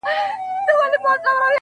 ما ويل وېره مي پر زړه پرېوته.